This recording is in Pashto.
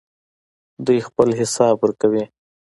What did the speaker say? دوی خپل حساب ورکوي.